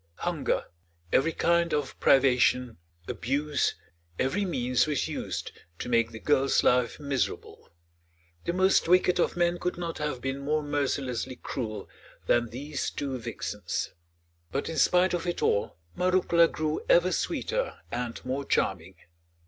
Hunger, every kind of privation, abuse, every means was used to make the girl's life miserable. The most wicked of men could not have been more mercilessly cruel than these two vixens. But in spite of it all Marouckla grew ever sweeter and more charming.